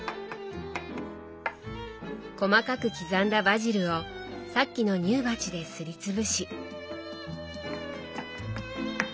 細かく刻んだバジルをさっきの乳鉢ですりつぶし。